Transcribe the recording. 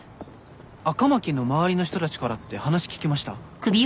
赤巻の周りの人たちからって話聞きました？